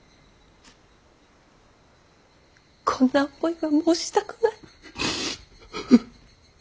こんな思いはもうしたくない。